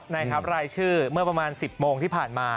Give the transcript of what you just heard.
รายชื่อเมื่อประมาณ๑๐โมงที่ผ่านมา